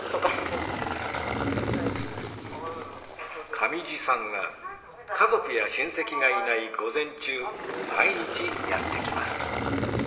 上地さんは家族や親戚がいない午前中毎日やって来ます